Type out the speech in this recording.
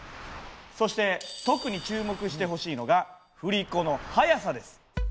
そして特に注目してほしいのが振り子の速さです。